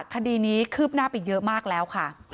คดีนี้คืบหน้าไปเยอะมากแล้วค่ะ